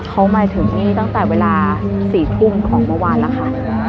เขามาถึงนี่ตั้งแต่เวลา๔ทุ่มของเมื่อวานแล้วค่ะ